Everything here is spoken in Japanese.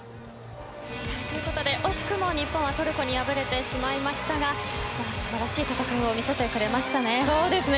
ということで惜しくも日本はトルコに敗れてしまいましたが素晴らしい戦いをそうですね。